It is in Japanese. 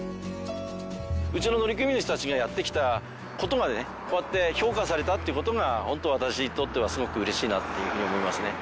うちの乗組員の人たちがやってきた事がねこうやって評価されたって事がホント私にとってはすごく嬉しいなってふうに思いますね。